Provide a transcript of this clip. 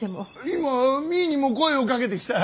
今実衣にも声をかけてきた。